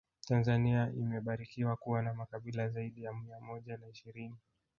tanzania imebarikiwa kuwa na makabila zaidi ya mia moja na ishirini